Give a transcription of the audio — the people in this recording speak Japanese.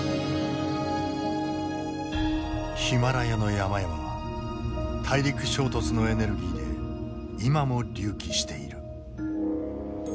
ヒマラヤの山々は大陸衝突のエネルギーで今も隆起している。